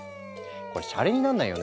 これシャレになんないよね。